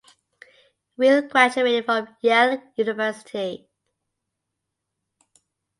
Weil graduated from Yale University.